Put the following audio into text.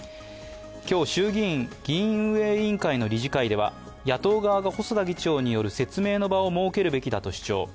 今日、衆議院・議院運営委員会の理事会では野党側が細田議長による説明の場を設けるべきだと主張。